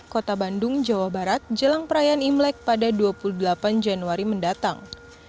kota bandung jawa barat jelang perayaan imlek pada dua puluh delapan januari mendatang